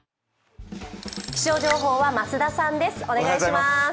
気象情報は増田さんです。